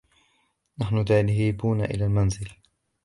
نحن ذاهبون إلى المنزل.